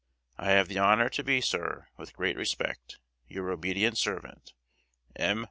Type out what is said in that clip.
"I have the honor to be, Sir, with great respect, Your obedient servant, M.